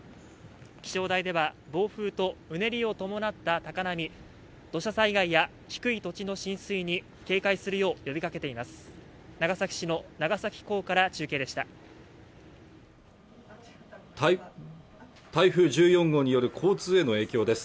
気象台では暴風とうねりを伴った高波土砂災害や低い土地の浸水に警戒するよう呼びかけています